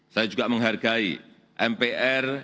saya juga menghargai mpr